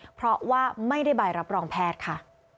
เพราะว่าไม่ได้ใบรับรองแพทย์ค่ะ